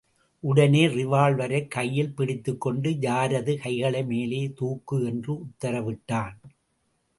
உடனே ரிவால்வரைக் கையில் பிடித்துக்கொண்டு, யாரது கைகளை மேலே தூக்கு என்று உத்தரவிட்டான்.